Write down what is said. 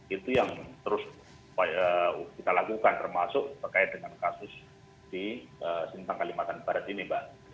itu yang terus kita lakukan termasuk berkait dengan kasus di sintang kalimantan barat ini mbak